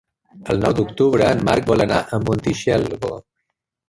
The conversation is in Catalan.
El nou d'octubre en Marc vol anar a Montitxelvo.